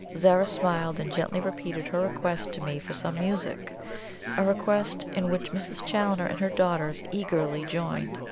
Zara smiled, and gently repeated her request to me for some music a request in which Mrs. Challoner and her daughters eagerly joined.